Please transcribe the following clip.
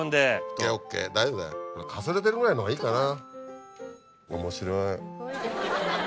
ＯＫＯＫ大丈夫だかすれてるぐらいの方がいいかな。